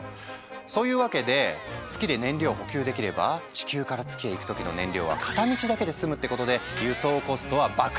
そういうわけで月で燃料を補給できれば地球から月へ行く時の燃料は片道だけで済むってことで輸送コストは爆下げ！